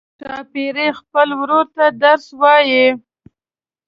ښاپیرۍ خپل ورور ته درس وايي.